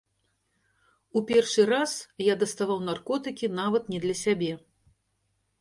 У першы раз я даставаў наркотыкі нават не для сябе.